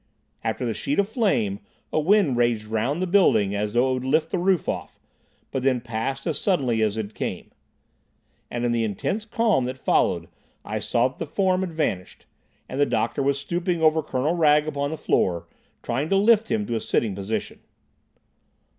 After the sheet of flame, a wind raged round the building as though it would lift the roof off, but then passed as suddenly as it came. And in the intense calm that followed I saw that the form had vanished, and the doctor was stooping over Colonel Wragge upon the floor, trying to lift him to a sitting position.